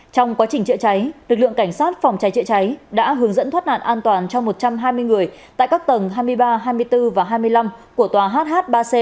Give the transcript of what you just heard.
trong quá trình chữa cháy lực lượng cảnh sát phòng cháy chữa cháy đã hướng dẫn thoát nạn an toàn cho một trăm hai mươi người tại các tầng hai mươi ba hai mươi bốn và hai mươi năm của tòa hh ba c ra khỏi khu vực cháy